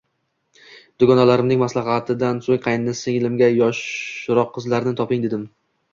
Dugonalarimning maslahatidan so`ng qaynsinglimga yoshroq qizlardan toping, dedim